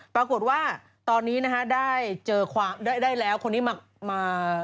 ปรากฏว่าตอนนี้นะฮะได้แล้วคนที่มา